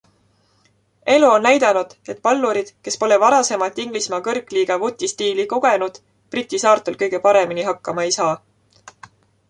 Elu on näidanud, et pallurid, kes pole varasemalt Inglismaa kõrgliiga vutistiili kogenud, Briti saartel kõige paremini hakkama ei saa.